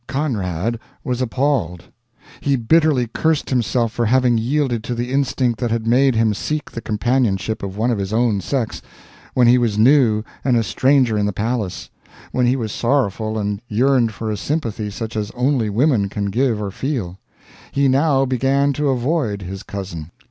Conrad was appalled. He bitterly cursed himself for having yielded to the instinct that had made him seek the companionship of one of his own sex when he was new and a stranger in the palace when he was sorrowful and yearned for a sympathy such as only women can give or feel. He now began to avoid his cousin.